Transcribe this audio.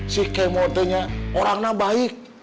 si kemon teh orangnya baik